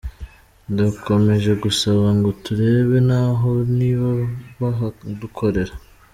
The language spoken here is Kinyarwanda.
Dukomeje gusaba ngo turebe naho niba bahadukorera.